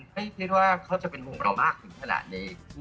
ไม่คิดว่าเขาจะเป็นห่วงเรามากถึงขนาดนี้